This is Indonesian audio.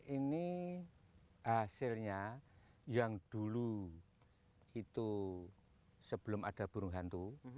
ini hasilnya yang dulu itu sebelum ada burung hantu